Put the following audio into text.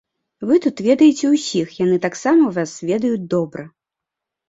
Вы тут ведаеце ўсіх, яны таксама вас ведаюць добра.